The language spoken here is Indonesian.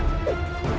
aku akan buktikan